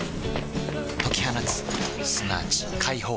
解き放つすなわち解放